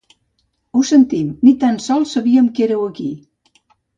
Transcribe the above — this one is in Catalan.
Ho sentim, ni tan sols sabíem que éreu aquí.